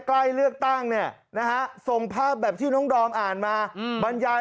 ใกล้เลือกตั้งเนี่ยนะฮะส่งภาพแบบที่น้องดอมอ่านมาบรรยาย